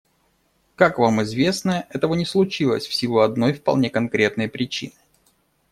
Как вам известно, этого не случилось в силу одной вполне конкретной причины.